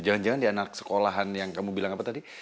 jangan jangan di anak sekolahan yang kamu bilang apa tadi